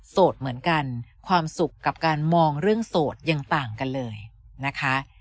โสดเหมือนกันความสุขกับการมองเรื่องโสดยังต่างกันเลยนะคะ